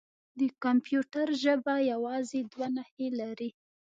د کمپیوټر ژبه یوازې دوه نښې لري.